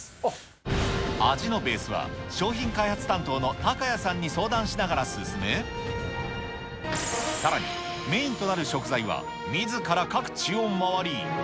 味のベースは、商品開発担当の隆也さんに相談しながら進め、さらにメインとなる食材はみずから各地を回り。